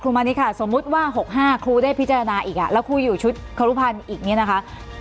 คุณมันนี่ค่ะสมมุติว่า๖๕คุณได้พิจารณาอีกอ่ะแล้วคุณอยู่ชุดขระรุภัณฑ์อีกนะคะ